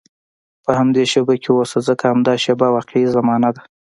په همدې شېبه کې اوسه، ځکه همدا شېبه واقعي زمانه ده.